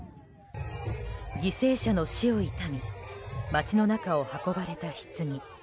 犠牲者の死を悼み街の中を運ばれたひつぎ。